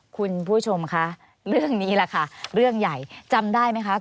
คุณผู้ชมคะเรื่องนี้แหละค่ะเรื่องใหญ่จำได้ไหมคะ